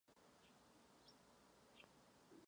Vila je využívána k obytným účelům a rodinným setkáním.